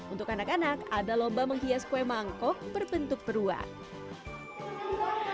untuk anak anak ada lomba menghias kue mangkok berbentuk peruang